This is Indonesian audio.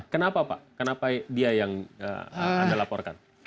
kenapa pak kenapa dia yang anda laporkan